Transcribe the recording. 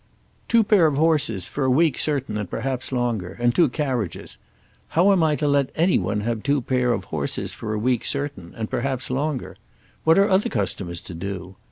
"Two pair of horses, for a week certain, and perhaps longer, and two carriages. How am I to let anyone have two pair of horses for a week certain, and perhaps longer? What are other customers to do?